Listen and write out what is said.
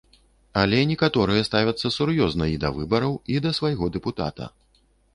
Але некаторыя ставяцца сур'ёзна і да выбараў, і да свайго дэпутата.